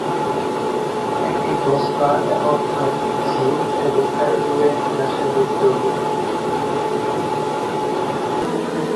এটি দস্তা অর্থাৎ জিংক এবং আয়োডিনের একটি রাসায়নিক যৌগ।